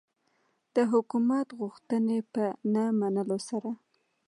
د حکومت غوښتنې په نه منلو سره.